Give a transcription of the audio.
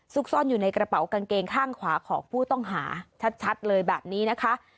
ซ่อนอยู่ในกระเป๋ากางเกงข้างขวาของผู้ต้องหาชัดเลยแบบนี้นะคะ